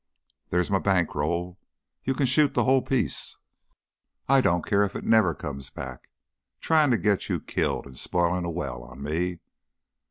There's my bank roll you can shoot the whole piece. I don't care if it never comes back. Tryin' to get you killed! An' spoilin' a well on me!"